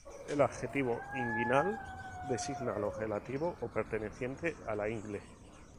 El adjetivo "inguinal" designa lo relativo o perteneciente a la ingle.